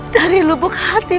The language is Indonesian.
dari lubuk hati